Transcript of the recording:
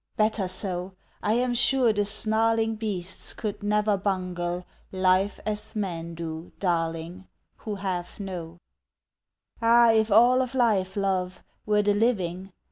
Better so. I am sure the snarling Beasts could never bungle Life as men do, darling, Who half know. Ah, if all of life, love, Were the living!